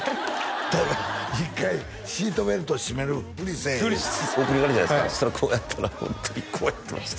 だから一回シートベルト締めるふりせえってオープニングあるじゃないですかそうしたらこうやったらホントにこうやってました